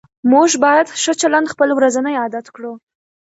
موږ باید ښه چلند خپل ورځنی عادت کړو